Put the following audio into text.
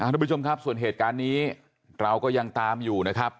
ทุกผู้ชมครับส่วนเหตุการณ์นี้เราก็ยังตามอยู่นะครับ